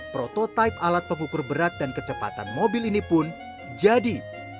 prototipe alat pengukur berat dan kecepatan mobil ini pun jadi